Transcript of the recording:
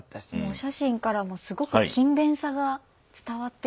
お写真からもすごく勤勉さが伝わってくるこうね。